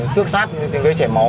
xước sát thì gây trẻ máu